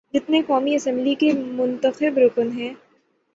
جتنے قومی اسمبلی کے منتخب رکن ہیں۔